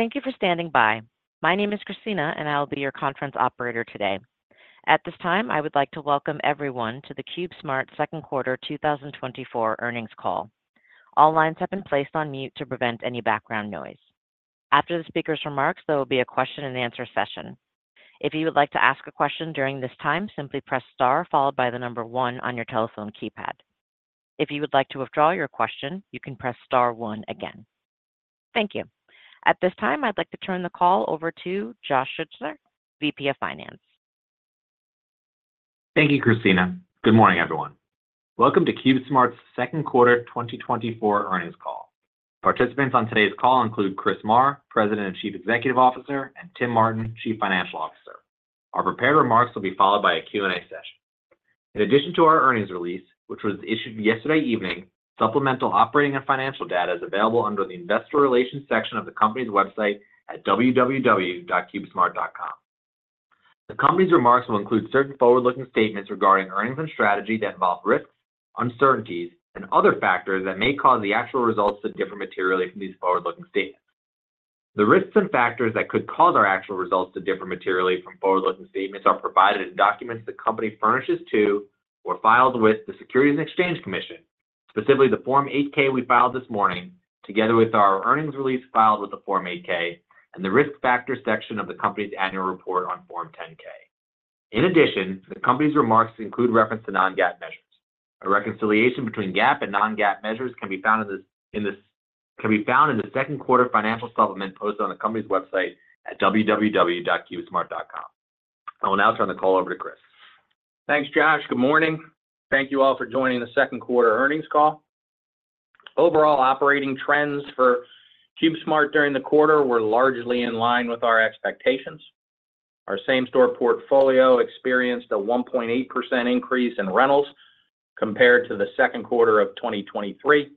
Thank you for standing by. My name is Christina, and I'll be your conference operator today. At this time, I would like to welcome everyone to the CubeSmart Second Quarter 2024 Earnings Call. All lines have been placed on mute to prevent any background noise. After the speaker's remarks, there will be a question and answer session. If you would like to ask a question during this time, simply press star followed by the number one on your telephone keypad. If you would like to withdraw your question, you can press star one again. Thank you. At this time, I'd like to turn the call over to Josh Schutzer, VP of Finance. Thank you, Christina. Good morning, everyone. Welcome to CubeSmart's second quarter 2024 earnings call. Participants on today's call include Chris Marr, President and Chief Executive Officer, and Tim Martin, Chief Financial Officer. Our prepared remarks will be followed by a Q&A session. In addition to our earnings release, which was issued yesterday evening, supplemental operating and financial data is available under the Investor Relations section of the company's website at www.cubesmart.com. The company's remarks will include certain forward-looking statements regarding earnings and strategy that involve risks, uncertainties, and other factors that may cause the actual results to differ materially from these forward-looking statements. The risks and factors that could cause our actual results to differ materially from forward-looking statements are provided in documents the company furnishes to or files with the Securities and Exchange Commission. Specifically, the Form 8-K we filed this morning, together with our earnings release filed with the Form 8-K and the Risk Factors section of the company's annual report on Form 10-K. In addition, the company's remarks include reference to non-GAAP measures. A reconciliation between GAAP and non-GAAP measures can be found in the second quarter financial supplement posted on the company's website at www.cubesmart.com. I will now turn the call over to Chris. Thanks, Josh. Good morning. Thank you all for joining the second quarter earnings call. Overall operating trends for CubeSmart during the quarter were largely in line with our expectations. Our same-store portfolio experienced a 1.8% increase in rentals compared to the second quarter of 2023.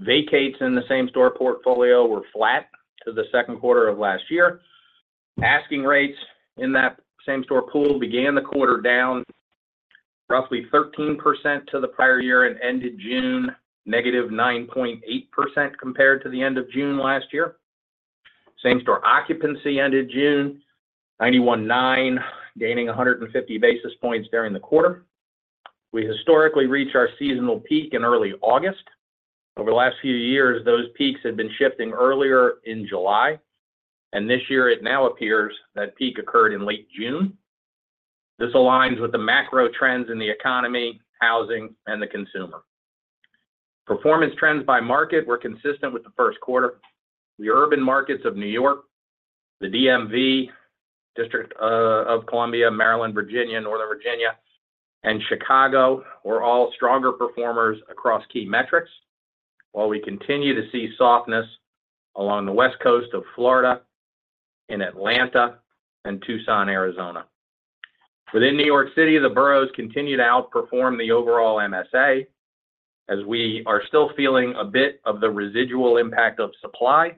Vacates in the same-store portfolio were flat to the second quarter of last year. Asking rates in that same-store pool began the quarter down roughly 13% to the prior year and ended June -9.8% compared to the end of June last year. Same-store occupancy ended June 91.9%, gaining 150 basis points during the quarter. We historically reach our seasonal peak in early August. Over the last few years, those peaks have been shifting earlier in July, and this year it now appears that peak occurred in late June. This aligns with the macro trends in the economy, housing, and the consumer. Performance trends by market were consistent with the first quarter. The urban markets of New York, the DMV, District of Columbia, Maryland, Virginia, Northern Virginia, and Chicago, were all stronger performers across key metrics. While we continue to see softness along the West Coast of Florida, in Atlanta, and Tucson, Arizona. Within New York City, the boroughs continue to outperform the overall MSA, as we are still feeling a bit of the residual impact of supply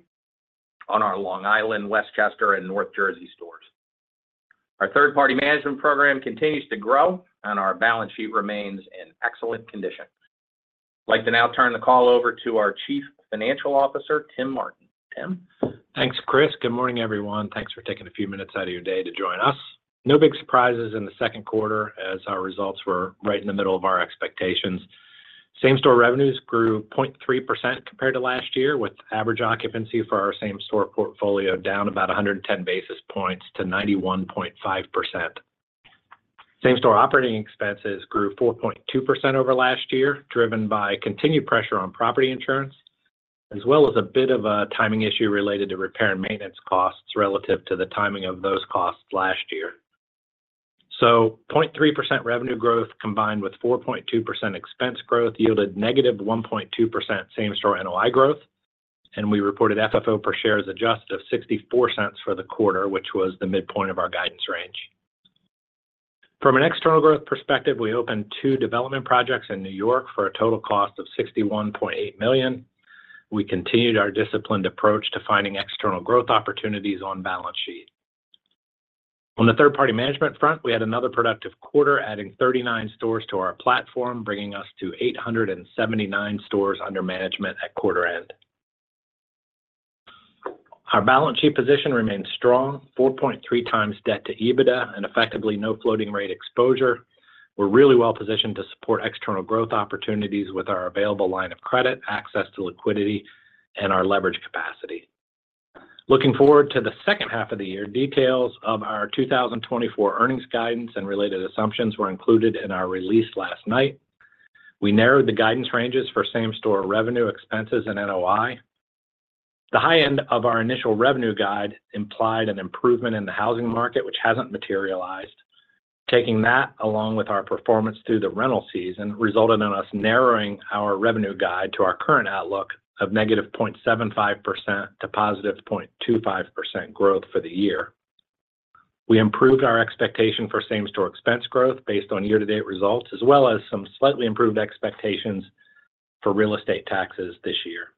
on our Long Island, Westchester, and North Jersey stores. Our third-party management program continues to grow, and our balance sheet remains in excellent condition. I'd like to now turn the call over to our Chief Financial Officer, Tim Martin. Tim? Thanks, Chris. Good morning, everyone. Thanks for taking a few minutes out of your day to join us. No big surprises in the second quarter, as our results were right in the middle of our expectations. Same-store revenues grew 0.3% compared to last year, with average occupancy for our same-store portfolio down about 110 basis points to 91.5%. Same-store operating expenses grew 4.2% over last year, driven by continued pressure on property insurance, as well as a bit of a timing issue related to repair and maintenance costs relative to the timing of those costs last year. So 0.3% revenue growth, combined with 4.2% expense growth, yielded -1.2% same-store NOI growth, and we reported FFO per share as adjusted of $0.64 for the quarter, which was the midpoint of our guidance range. From an external growth perspective, we opened 2 development projects in New York for a total cost of $61.8 million. We continued our disciplined approach to finding external growth opportunities on balance sheet. On the third-party management front, we had another productive quarter, adding 39 stores to our platform, bringing us to 879 stores under management at quarter end. Our balance sheet position remains strong, 4.3x debt to EBITDA, and effectively no floating rate exposure. We're really well positioned to support external growth opportunities with our available line of credit, access to liquidity, and our leverage capacity. Looking forward to the second half of the year, details of our 2024 earnings guidance and related assumptions were included in our release last night. We narrowed the guidance ranges for same-store revenue, expenses, and NOI. The high end of our initial revenue guide implied an improvement in the housing market, which hasn't materialized. Taking that, along with our performance through the rental season, resulted in us narrowing our revenue guide to our current outlook of -0.75% to +0.25% growth for the year. We improved our expectation for same-store expense growth based on year-to-date results, as well as some slightly improved expectations for real estate taxes this year.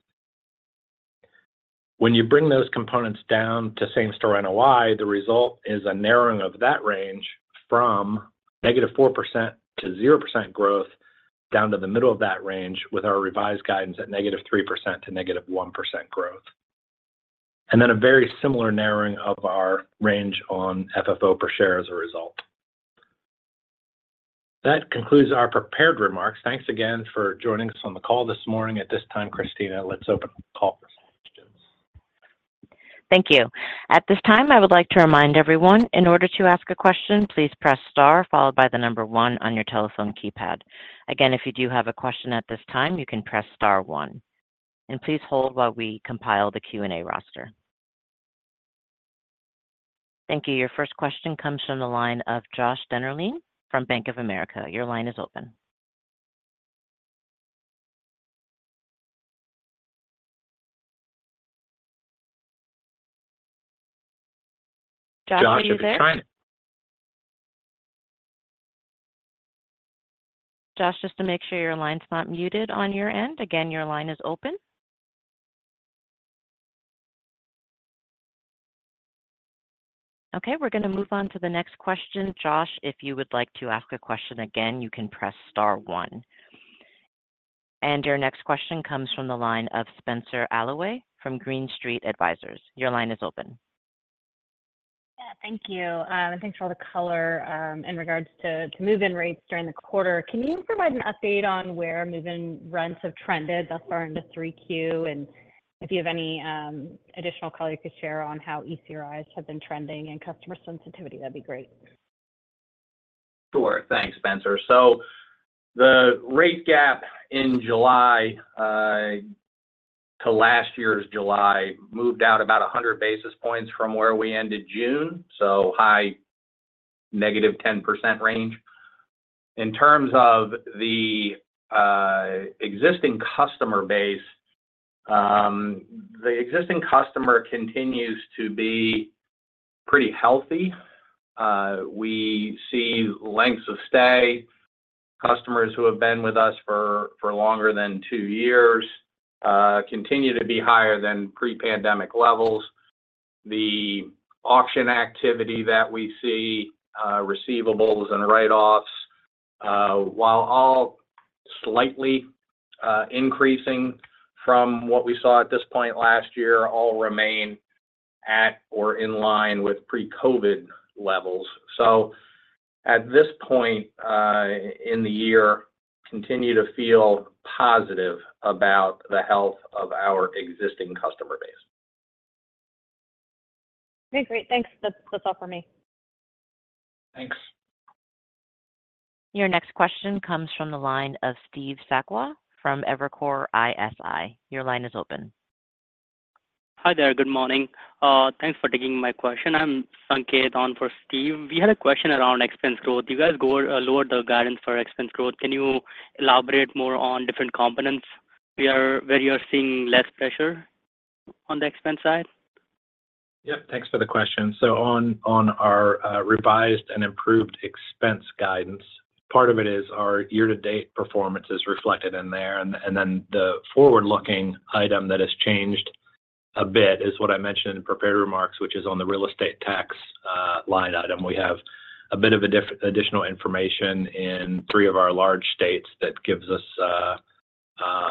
When you bring those components down to same-store NOI, the result is a narrowing of that range from -4% to 0% growth ... down to the middle of that range with our revised guidance at -3% to -1% growth. And then a very similar narrowing of our range on FFO per share as a result. That concludes our prepared remarks. Thanks again for joining us on the call this morning. At this time, Christina, let's open the call for some questions. Thank you. At this time, I would like to remind everyone, in order to ask a question, please press star followed by the number one on your telephone keypad. Again, if you do have a question at this time, you can press star one. And please hold while we compile the Q&A roster. Thank you. Your first question comes from the line of Josh Dennerlein from Bank of America. Your line is open. Josh, are you there? Josh, just to make sure your line's not muted on your end. Again, your line is open. Okay, we're gonna move on to the next question. Josh, if you would like to ask a question again, you can press star one. And your next question comes from the line of Spenser Allaway from Green Street. Your line is open. Yeah, thank you. And thanks for all the color in regards to move-in rates during the quarter. Can you provide an update on where move-in rents have trended thus far into 3Q? And if you have any additional color you could share on how ECRIs have been trending and customer sensitivity, that'd be great. Sure. Thanks, Spenser. So the rate gap in July to last year's July moved out about 100 basis points from where we ended June, so high negative 10% range. In terms of the existing customer base, the existing customer continues to be pretty healthy. We see lengths of stay, customers who have been with us for longer than 2 years continue to be higher than pre-pandemic levels. The auction activity that we see, receivables and write-offs while all slightly increasing from what we saw at this point last year, all remain at or in line with pre-COVID levels. So at this point in the year, continue to feel positive about the health of our existing customer base. Okay, great. Thanks. That's, that's all for me. Thanks. Your next question comes from the line of Steve Sakwa from Evercore ISI. Your line is open. Hi there. Good morning. Thanks for taking my question. I'm Sanket on for Steve. We had a question around expense growth. You guys lowered the guidance for expense growth. Can you elaborate more on different components where you're seeing less pressure on the expense side? Yep. Thanks for the question. So on our revised and improved expense guidance, part of it is our year-to-date performance is reflected in there, and then the forward-looking item that has changed a bit is what I mentioned in prepared remarks, which is on the real estate tax line item. We have a bit of additional information in three of our large states that gives us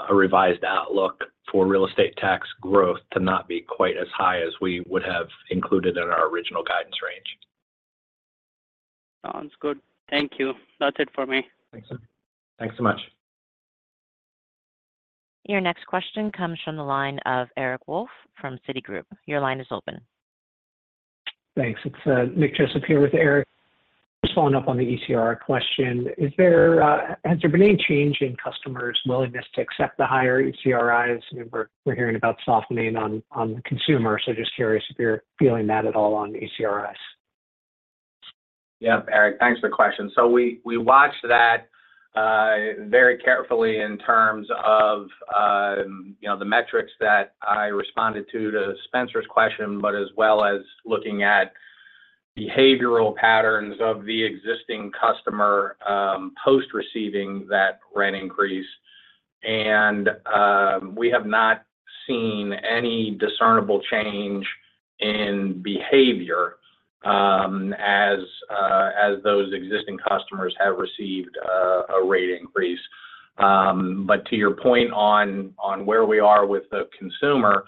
a revised outlook for real estate tax growth to not be quite as high as we would have included in our original guidance range. Sounds good. Thank you. That's it for me. Thanks. Thanks so much. Your next question comes from the line of Eric Wolfe from Citigroup. Your line is open. Thanks. It's Nick Joseph here with Eric. Just following up on the ECR question. Is there... Has there been any change in customers' willingness to accept the higher ECRIs? We're, we're hearing about softening on, on the consumer, so just curious if you're feeling that at all on ECRIs? Yep, Eric. Thanks for the question. So we watched that very carefully in terms of, you know, the metrics that I responded to Spenser's question, but as well as looking at behavioral patterns of the existing customer post-receiving that rent increase. And we have not seen any discernible change in behavior as those existing customers have received a rate increase. But to your point on where we are with the consumer,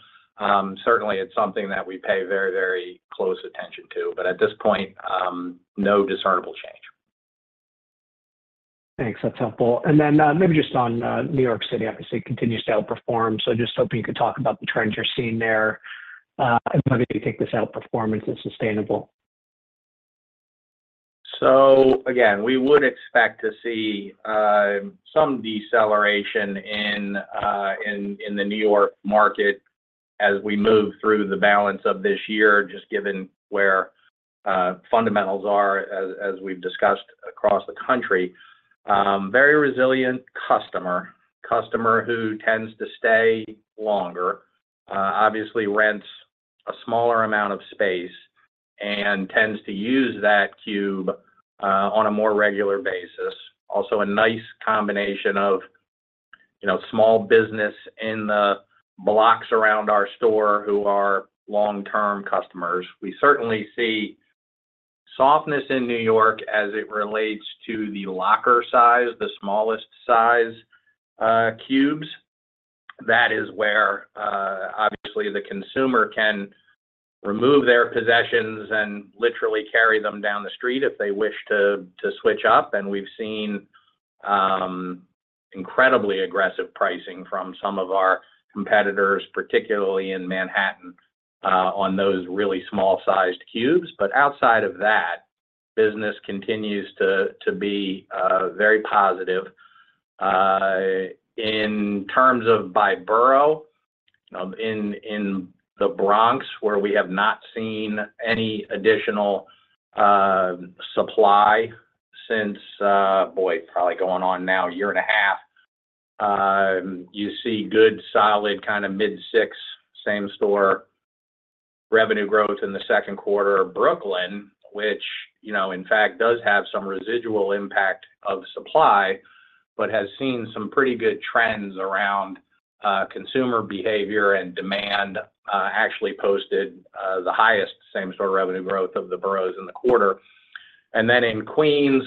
certainly it's something that we pay very, very close attention to, but at this point, no discernible change. Thanks. That's helpful. And then, maybe just on New York City, obviously, continues to outperform, so just hoping you could talk about the trends you're seeing there, and whether you think this outperformance is sustainable? So again, we would expect to see some deceleration in the New York market as we move through the balance of this year, just given where fundamentals are, as we've discussed across the country. Very resilient customer who tends to stay longer, obviously rents a smaller amount of space and tends to use that cube on a more regular basis. Also, a nice combination of, you know, small business in the blocks around our store who are long-term customers. We certainly see softness in New York as it relates to the locker size, the smallest size, cubes. That is where, obviously, the consumer can remove their possessions and literally carry them down the street if they wish to switch up. We've seen incredibly aggressive pricing from some of our competitors, particularly in Manhattan, on those really small-sized cubes. But outside of that, business continues to be very positive. In terms of by borough, in the Bronx, where we have not seen any additional supply since, boy, probably going on now a year and a half, you see good, solid, kind of mid-six same-store revenue growth in the second quarter of Brooklyn, which, you know, in fact, does have some residual impact of supply, but has seen some pretty good trends around consumer behavior and demand, actually posted the highest same-store revenue growth of the boroughs in the quarter. Then in Queens,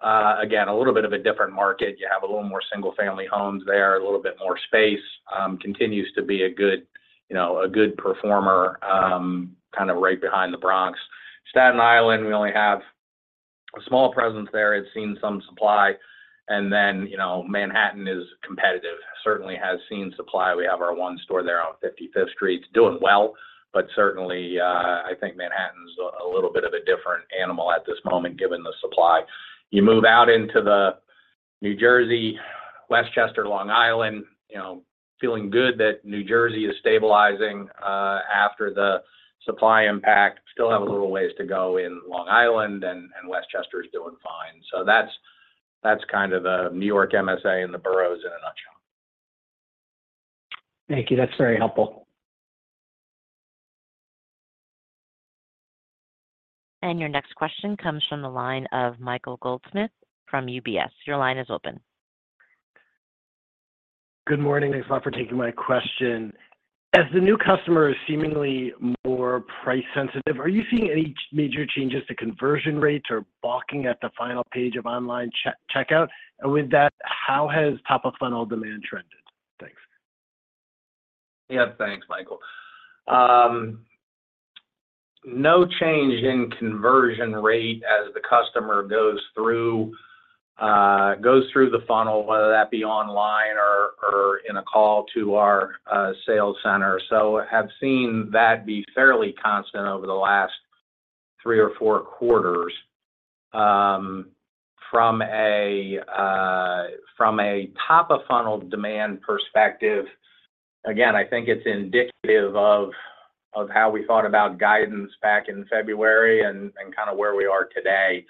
again, a little bit of a different market. You have a little more single-family homes there, a little bit more space, continues to be a good, you know, a good performer, kind of right behind the Bronx. Staten Island, we only have a small presence there. It's seen some supply. And then, you know, Manhattan is competitive, certainly has seen supply. We have our one store there on 55th Street. It's doing well, but certainly, I think Manhattan's a little bit of a different animal at this moment, given the supply. You move out into the New Jersey, Westchester, Long Island, you know, feeling good that New Jersey is stabilizing, after the supply impact. Still have a little ways to go in Long Island, and Westchester is doing fine. So that's kind of the New York MSA and the boroughs in a nutshell. Thank you. That's very helpful. Your next question comes from the line of Michael Goldsmith from UBS. Your line is open. Good morning. Thanks a lot for taking my question. As the new customer is seemingly more price sensitive, are you seeing any major changes to conversion rates or balking at the final page of online checkout? And with that, how has top-of-funnel demand trended? Thanks. Yeah, thanks, Michael. No change in conversion rate as the customer goes through, goes through the funnel, whether that be online or, or in a call to our, sales center. So have seen that be fairly constant over the last three or four quarters. From a, from a top-of-funnel demand perspective, again, I think it's indicative of, of how we thought about guidance back in February and, and kind of where we are today.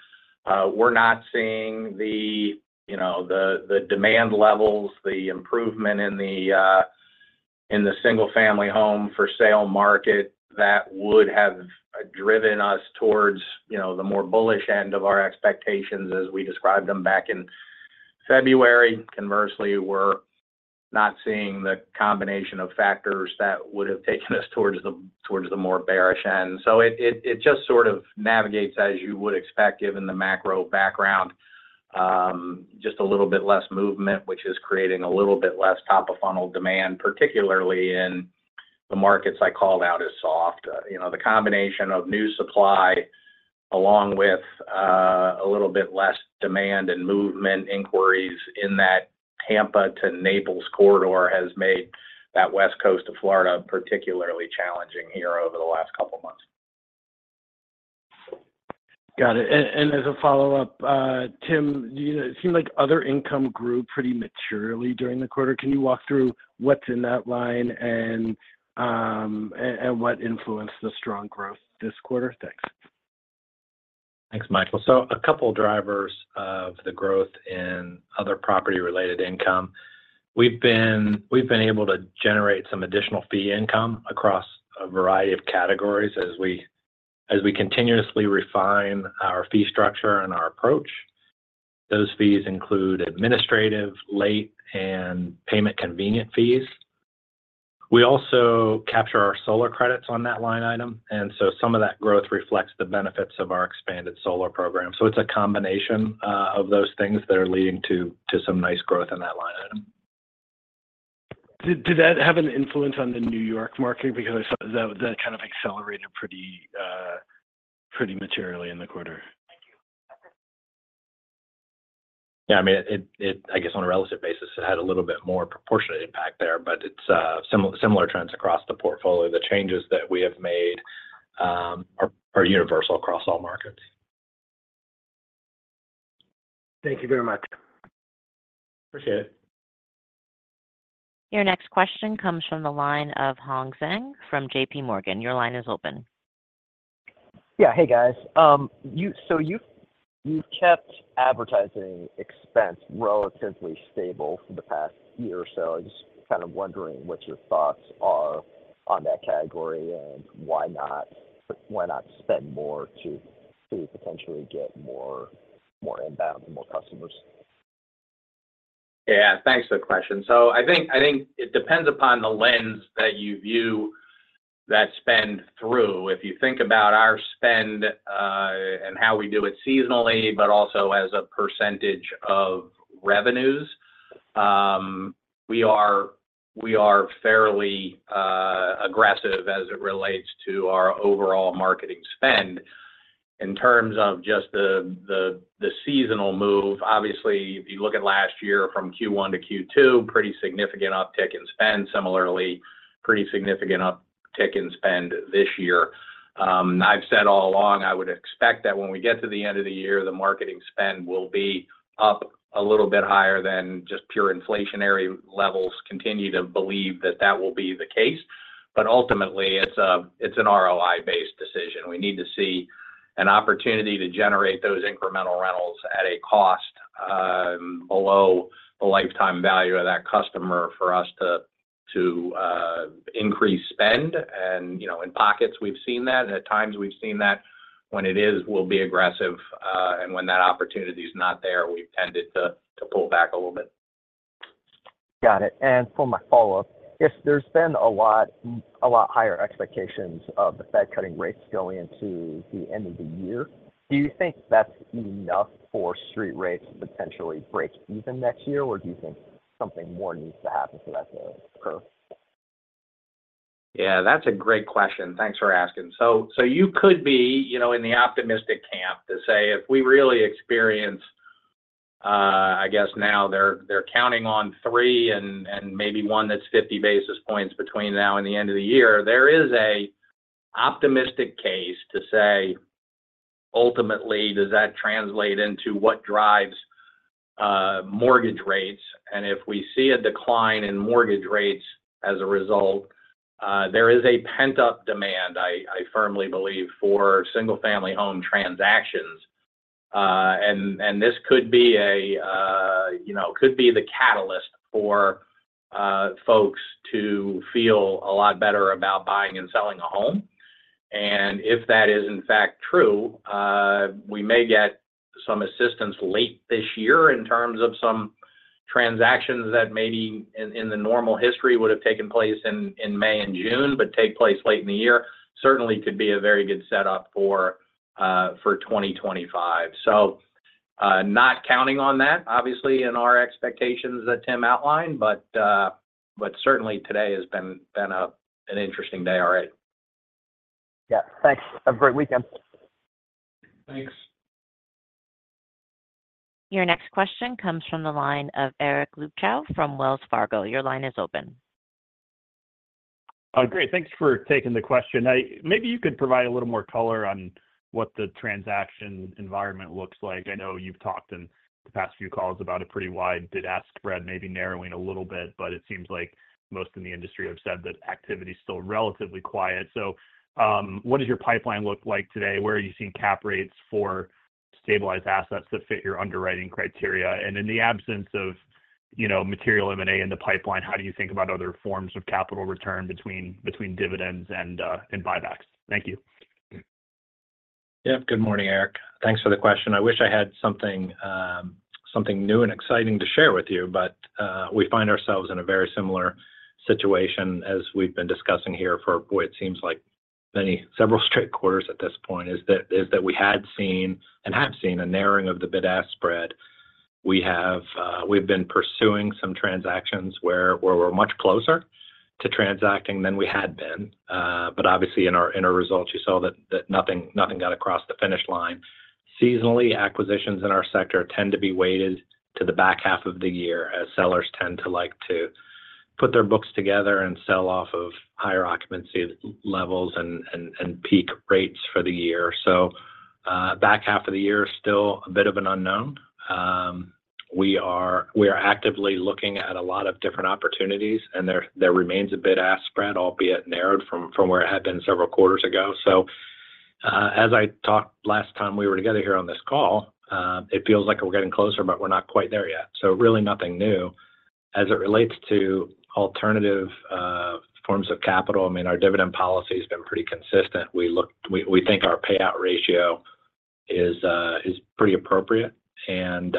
We're not seeing the, you know, the, the demand levels, the improvement in the, in the single family home for sale market that would have driven us towards, you know, the more bullish end of our expectations as we described them back in February. Conversely, we're not seeing the combination of factors that would have taken us towards the, towards the more bearish end. So it just sort of navigates, as you would expect, given the macro background. Just a little bit less movement, which is creating a little bit less top-of-funnel demand, particularly in the markets I called out as soft. You know, the combination of new supply, along with a little bit less demand and movement inquiries in that Tampa to Naples corridor, has made that West Coast of Florida particularly challenging here over the last couple of months. Got it. And as a follow-up, Tim, do you know, it seemed like other income grew pretty materially during the quarter. Can you walk through what's in that line and what influenced the strong growth this quarter? Thanks. Thanks, Michael. So a couple of drivers of the growth in other property-related income. We've been able to generate some additional fee income across a variety of categories as we continuously refine our fee structure and our approach. Those fees include administrative, late, and payment convenience fees. We also capture our solar credits on that line item, and so some of that growth reflects the benefits of our expanded solar program. So it's a combination of those things that are leading to some nice growth in that line item. Did that have an influence on the New York market? Because I saw that kind of accelerated pretty materially in the quarter. Thank you. Yeah, I mean, I guess on a relative basis, it had a little bit more proportionate impact there, but it's similar trends across the portfolio. The changes that we have made are universal across all markets. Thank you very much. Appreciate it. Your next question comes from the line of Hong Zhang from J.P. Morgan. Your line is open. Yeah. Hey, guys. So you've kept advertising expense relatively stable for the past year or so. I'm just kind of wondering what your thoughts are on that category, and why not spend more to potentially get more inbound and more customers?... Yeah, thanks for the question. So I think, I think it depends upon the lens that you view that spend through. If you think about our spend, and how we do it seasonally, but also as a percentage of revenues, we are, we are fairly, aggressive as it relates to our overall marketing spend. In terms of just the seasonal move, obviously, if you look at last year from Q1 to Q2, pretty significant uptick in spend. Similarly, pretty significant uptick in spend this year. I've said all along, I would expect that when we get to the end of the year, the marketing spend will be up a little bit higher than just pure inflationary levels. Continue to believe that that will be the case, but ultimately, it's an ROI-based decision. We need to see an opportunity to generate those incremental rentals at a cost below the lifetime value of that customer for us to increase spend. You know, in pockets, we've seen that. At times we've seen that. When it is, we'll be aggressive, and when that opportunity is not there, we've tended to pull back a little bit. Got it. For my follow-up, if there's been a lot, a lot higher expectations of the Fed cutting rates going into the end of the year, do you think that's enough for street rates to potentially break even next year, or do you think something more needs to happen so that they improve? Yeah, that's a great question. Thanks for asking. So, you could be, you know, in the optimistic camp to say, if we really experience, I guess now they're counting on 3 and maybe one that's 50 basis points between now and the end of the year. There is an optimistic case to say, ultimately, does that translate into what drives mortgage rates? And if we see a decline in mortgage rates as a result, there is a pent-up demand, I firmly believe, for single-family home transactions. And this could be a, you know, could be the catalyst for folks to feel a lot better about buying and selling a home. If that is, in fact, true, we may get some assistance late this year in terms of some transactions that maybe in the normal history would have taken place in May and June, but take place late in the year. Certainly could be a very good setup for 2025. So, not counting on that, obviously, in our expectations that Tim outlined, but certainly today has been an interesting day already. Yeah. Thanks. Have a great weekend. Thanks. Your next question comes from the line of Eric Luebchow from Wells Fargo. Your line is open. Great. Thanks for taking the question. Now, maybe you could provide a little more color on what the transaction environment looks like. I know you've talked in the past few calls about a pretty wide bid-ask spread, maybe narrowing a little bit, but it seems like most in the industry have said that activity is still relatively quiet. So, what does your pipeline look like today? Where are you seeing cap rates for stabilized assets that fit your underwriting criteria? And in the absence of, you know, material M&A in the pipeline, how do you think about other forms of capital return between, between dividends and, and buybacks? Thank you. Yep. Good morning, Eric. Thanks for the question. I wish I had something, something new and exciting to share with you, but, we find ourselves in a very similar situation as we've been discussing here for what seems like several straight quarters at this point. That is, that we had seen and have seen a narrowing of the bid-ask spread. We have, we've been pursuing some transactions where we're much closer to transacting than we had been. But obviously, in our results, you saw that nothing got across the finish line. Seasonally, acquisitions in our sector tend to be weighted to the back half of the year, as sellers tend to like to put their books together and sell off of higher occupancy levels and peak rates for the year. So, back half of the year is still a bit of an unknown. We are actively looking at a lot of different opportunities, and there remains a bid-ask spread, albeit narrowed from where it had been several quarters ago. So, as I talked last time we were together here on this call, it feels like we're getting closer, but we're not quite there yet. So really nothing new. As it relates to alternative forms of capital, I mean, our dividend policy has been pretty consistent. We think our payout ratio is pretty appropriate, and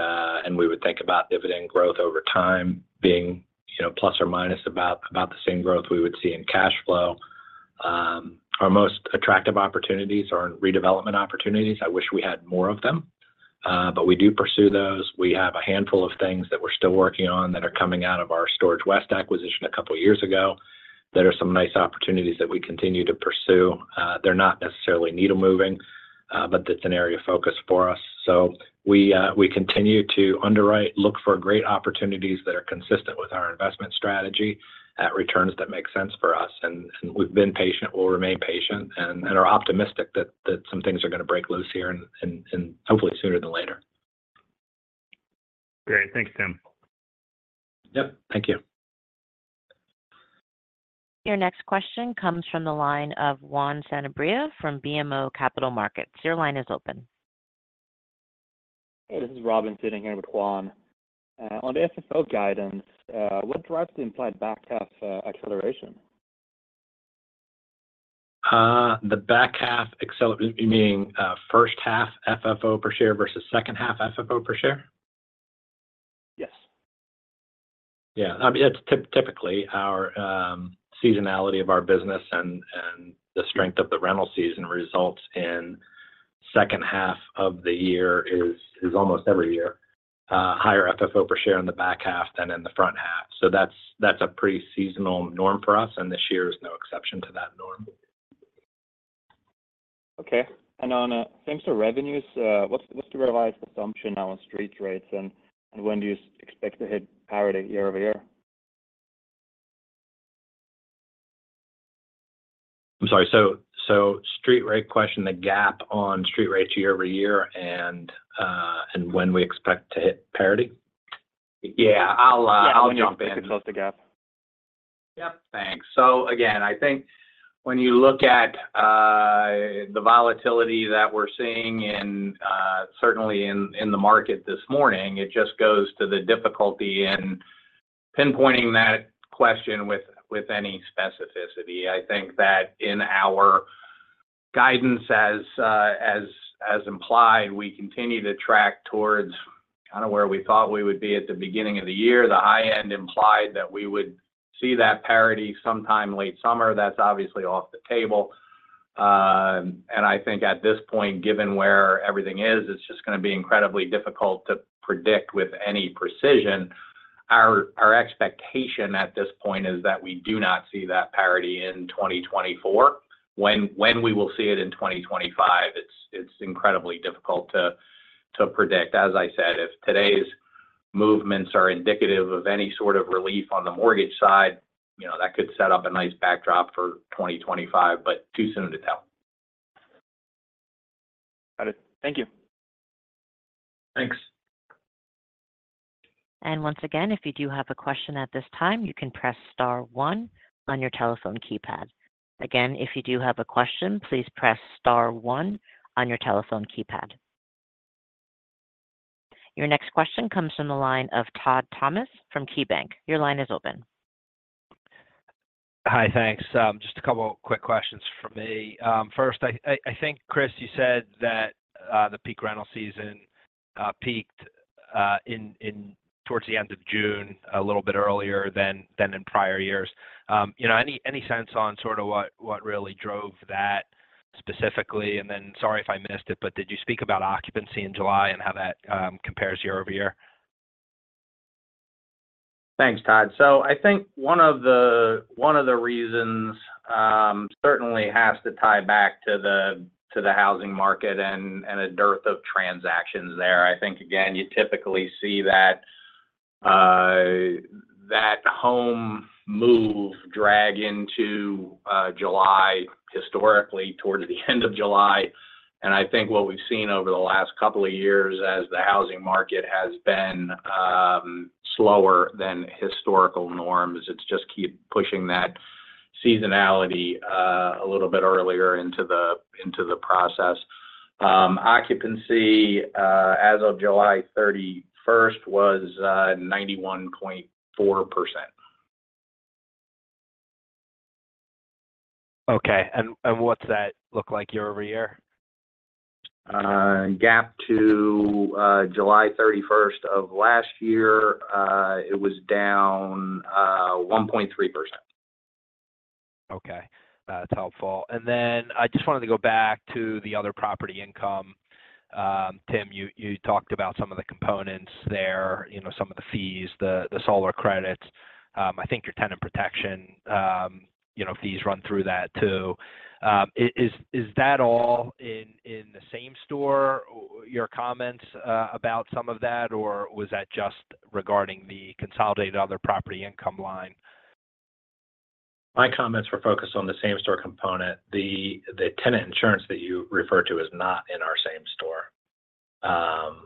we would think about dividend growth over time being, you know, plus or minus about the same growth we would see in cash flow. Our most attractive opportunities are in redevelopment opportunities. I wish we had more of them, but we do pursue those. We have a handful of things that we're still working on that are coming out of our Storage West acquisition a couple years ago, that are some nice opportunities that we continue to pursue. They're not necessarily needle moving, but that's an area of focus for us. So we continue to underwrite, look for great opportunities that are consistent with our investment strategy at returns that make sense for us. And we've been patient, we'll remain patient, and are optimistic that some things are going to break loose here and hopefully sooner than later. Great. Thanks, Tim. Yep, thank you. Your next question comes from the line of Juan Sanabria from BMO Capital Markets. Your line is open. Hey, this is Robin sitting here with Juan. On the FFO guidance, what drives the implied back half acceleration?... the back half FFO, you mean, first half FFO per share versus second half FFO per share? Yes. Yeah, I mean, it's typically our seasonality of our business and the strength of the rental season results in second half of the year is almost every year higher FFO per share in the back half than in the front half. So that's a pretty seasonal norm for us, and this year is no exception to that norm. Okay. And on same-store revenues, what's the revised assumption now on street rates, and when do you expect to hit parity year-over-year? I'm sorry, so street rate question, the gap on street rates year-over-year and when we expect to hit parity? Yeah, I'll, I'll jump in. Yeah, when you expect to close the gap? Yep, thanks. So again, I think when you look at the volatility that we're seeing in certainly in the market this morning, it just goes to the difficulty in pinpointing that question with any specificity. I think that in our guidance as implied, we continue to track towards kind of where we thought we would be at the beginning of the year. The high end implied that we would see that parity sometime late summer. That's obviously off the table. And I think at this point, given where everything is, it's just gonna be incredibly difficult to predict with any precision. Our expectation at this point is that we do not see that parity in 2024. When we will see it in 2025, it's incredibly difficult to predict. As I said, if today's movements are indicative of any sort of relief on the mortgage side, you know, that could set up a nice backdrop for 2025, but too soon to tell. Got it. Thank you. Thanks. Once again, if you do have a question at this time, you can press star one on your telephone keypad. Again, if you do have a question, please press star one on your telephone keypad. Your next question comes from the line of Todd Thomas from KeyBanc. Your line is open. Hi, thanks. Just a couple quick questions from me. First, I think, Chris, you said that the peak rental season peaked towards the end of June, a little bit earlier than in prior years. You know, any sense on sort of what really drove that specifically? And then, sorry if I missed it, but did you speak about occupancy in July and how that compares year over year? Thanks, Todd. So I think one of the, one of the reasons, certainly has to tie back to the, to the housing market and, and a dearth of transactions there. I think, again, you typically see that, that home move drag into, July, historically towards the end of July. And I think what we've seen over the last couple of years as the housing market has been, slower than historical norms, it's just keep pushing that seasonality, a little bit earlier into the, into the process. Occupancy, as of July thirty-first, was, ninety-one point four percent. Okay. And what's that look like year-over-year? Gap to July thirty-first of last year, it was down 1.3%. Okay. That's helpful. And then I just wanted to go back to the other property income. Tim, you talked about some of the components there, you know, some of the fees, the solar credits. I think your tenant protection, you know, fees run through that too. Is that all in the same store, your comments about some of that, or was that just regarding the consolidated other property income line? My comments were focused on the same store component. The tenant insurance that you refer to is not in our same store.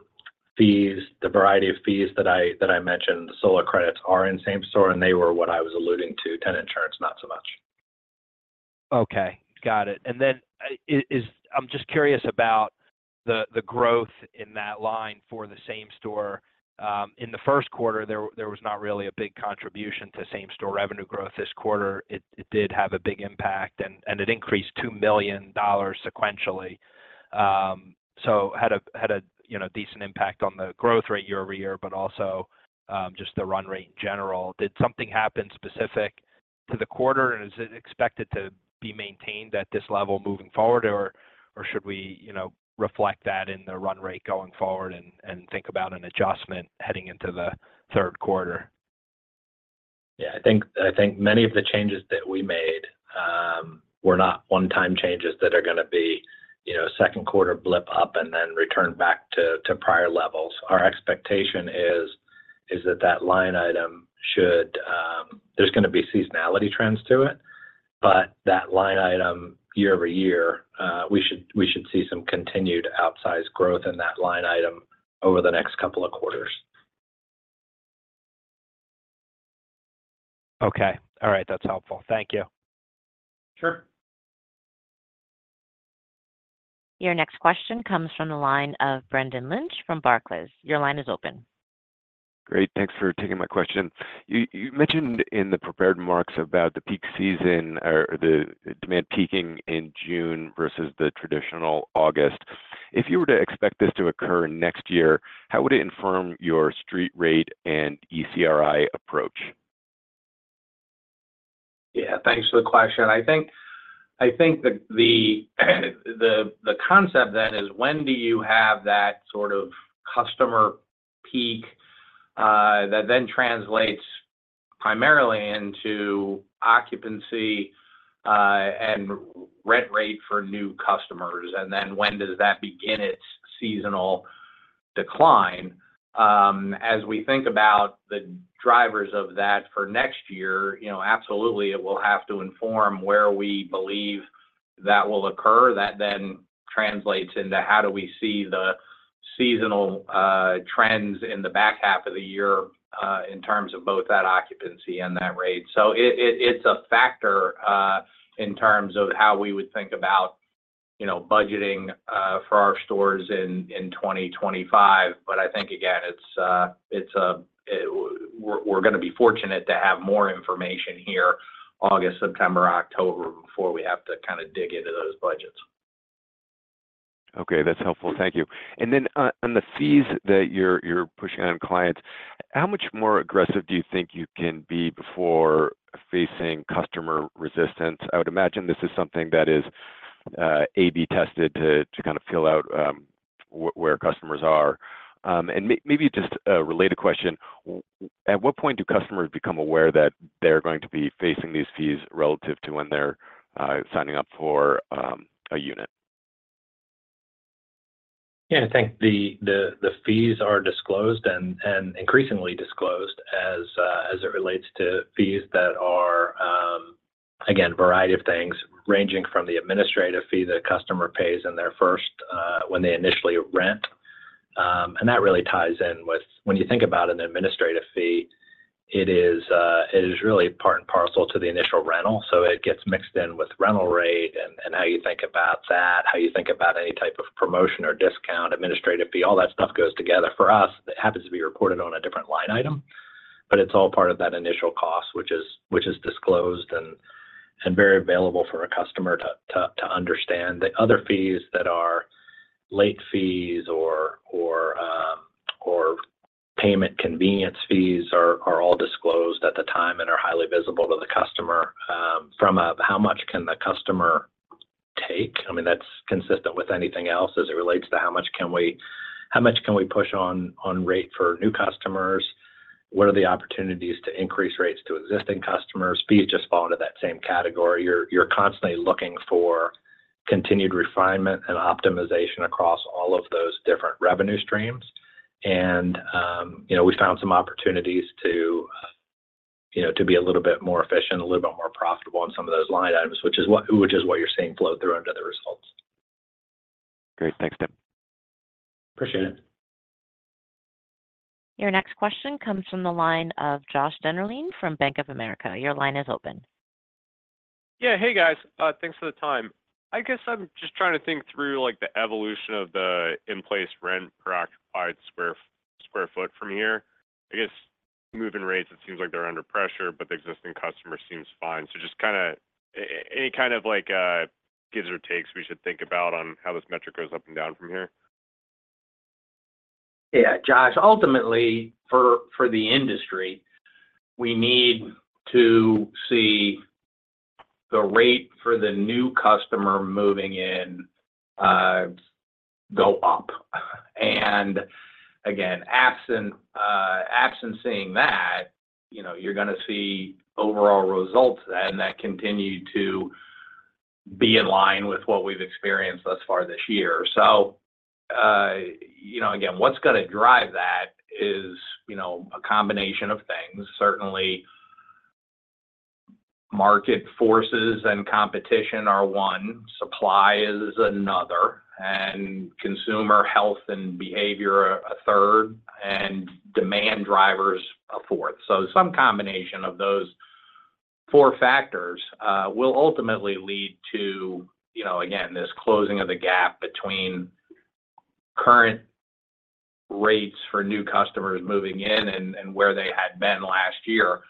Fees, the variety of fees that I mentioned, the solar credits are in same store, and they were what I was alluding to. Tenant insurance, not so much. Okay, got it. And then, is... I'm just curious about the, the growth in that line for the same-store. In the first quarter, there, there was not really a big contribution to same-store revenue growth. This quarter, it, it did have a big impact, and, and it increased $2 million sequentially. So had a, had a, you know, decent impact on the growth rate year-over-year, but also, just the run rate in general. Did something happen specific to the quarter, and is it expected to be maintained at this level moving forward? Or, or should we, you know, reflect that in the run rate going forward and, and think about an adjustment heading into the third quarter? Yeah, I think many of the changes that we made were not one-time changes that are gonna be, you know, second quarter blip up and then return back to prior levels. Our expectation is that line item should. There's gonna be seasonality trends to it, but that line item, year-over-year, we should see some continued outsized growth in that line item over the next couple of quarters. Okay. All right. That's helpful. Thank you. Sure.... Your next question comes from the line of Brendan Lynch from Barclays. Your line is open. Great. Thanks for taking my question. You mentioned in the prepared remarks about the peak season or the demand peaking in June versus the traditional August. If you were to expect this to occur next year, how would it inform your street rate and ECRI approach? Yeah, thanks for the question. I think the concept then is when do you have that sort of customer peak that then translates primarily into occupancy and rent rate for new customers? And then when does that begin its seasonal decline? As we think about the drivers of that for next year, you know, absolutely, it will have to inform where we believe that will occur. That then translates into how do we see the seasonal trends in the back half of the year in terms of both that occupancy and that rate. So it's a factor in terms of how we would think about, you know, budgeting for our stores in 2025. But I think again, it's we're gonna be fortunate to have more information here August, September, October, before we have to kind of dig into those budgets. Okay, that's helpful. Thank you. And then, on the fees that you're pushing on clients, how much more aggressive do you think you can be before facing customer resistance? I would imagine this is something that is AB tested to kind of fill out where customers are. And maybe just a related question: at what point do customers become aware that they're going to be facing these fees relative to when they're signing up for a unit? Yeah, I think the fees are disclosed and increasingly disclosed as it relates to fees that are, again, variety of things, ranging from the administrative fee the customer pays in their first when they initially rent. And that really ties in with when you think about an administrative fee, it is really part and parcel to the initial rental. So it gets mixed in with rental rate and how you think about that, how you think about any type of promotion or discount, administrative fee, all that stuff goes together. For us, it happens to be reported on a different line item, but it's all part of that initial cost, which is disclosed and very available for a customer to understand. The other fees that are late fees or payment convenience fees are all disclosed at the time and are highly visible to the customer. From a how much can the customer take, I mean, that's consistent with anything else as it relates to how much can we push on rate for new customers? What are the opportunities to increase rates to existing customers? Fees just fall into that same category. You're constantly looking for continued refinement and optimization across all of those different revenue streams. And, you know, we found some opportunities to, you know, to be a little bit more efficient, a little bit more profitable on some of those line items, which is what you're seeing flow through under the results. Great. Thanks, Tim. Appreciate it. Your next question comes from the line of Josh Dennerlein from Bank of America. Your line is open. Yeah. Hey, guys. Thanks for the time. I guess I'm just trying to think through, like, the evolution of the in-place rent per occupied square foot from here. I guess, move-in rates, it seems like they're under pressure, but the existing customer seems fine. So just kinda... any kind of, like, gives or takes we should think about on how this metric goes up and down from here? Yeah, Josh, ultimately, for the industry, we need to see the rate for the new customer moving in, go up. And again, absent seeing that, you know, you're gonna see overall results then that continue to be in line with what we've experienced thus far this year. So, you know, again, what's gonna drive that is, you know, a combination of things. Certainly, market forces and competition are one, supply is another, and consumer health and behavior, a third, and demand drivers, a fourth. So some combination of those four factors, will ultimately lead to, you know, again, this closing of the gap between current rates for new customers moving in and where they had been last year.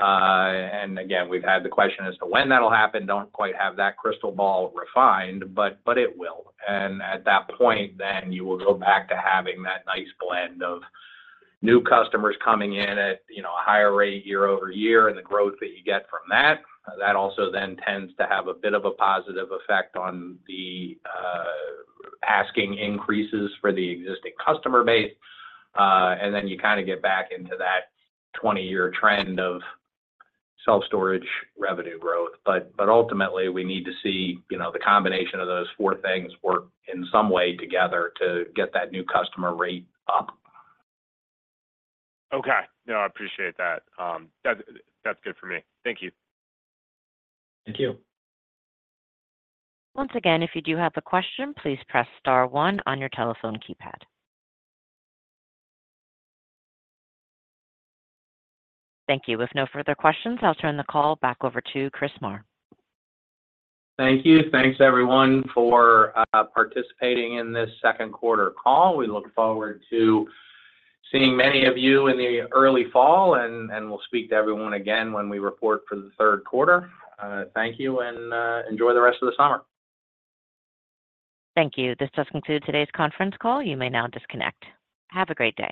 And again, we've had the question as to when that'll happen, don't quite have that crystal ball refined, but it will. At that point, then you will go back to having that nice blend of new customers coming in at, you know, a higher rate year-over-year and the growth that you get from that. That also then tends to have a bit of a positive effect on the asking increases for the existing customer base. And then you kind of get back into that 20-year trend of self-storage revenue growth. But ultimately, we need to see, you know, the combination of those four things work in some way together to get that new customer rate up. Okay. No, I appreciate that. That, that's good for me. Thank you. Thank you. Once again, if you do have a question, please press star one on your telephone keypad. Thank you. With no further questions, I'll turn the call back over to Chris Marr. Thank you. Thanks, everyone, for participating in this second quarter call. We look forward to seeing many of you in the early fall, and we'll speak to everyone again when we report for the third quarter. Thank you, and enjoy the rest of the summer. Thank you. This does conclude today's conference call. You may now disconnect. Have a great day.